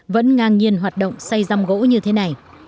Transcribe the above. vẫn ngang nhiên hoạt động xây răm gỗ như thế này